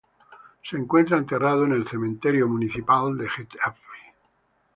Se encuentra enterrado en el cementerio municipal de Getafe.